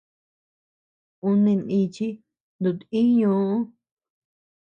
Un neʼë nichi dut-íñuu.